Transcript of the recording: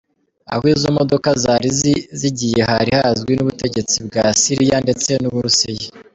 "Aho izo modoka zari zigiye hari hazwi n'ubutegetsi bwa Siriya ndetse n'Uburusiya.